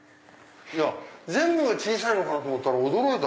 全部が小さいのかなと思ったら驚いた！